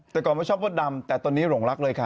แต่ก่อนไม่ชอบมดดำแต่ตอนนี้หลงรักเลยค่ะ